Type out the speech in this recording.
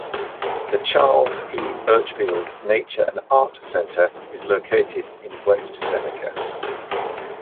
The Charles E. Burchfield Nature and Art Center is located in West Seneca.